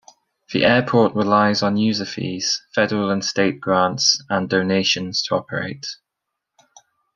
The airport relies on user fees, federal and state grants and donations to operate.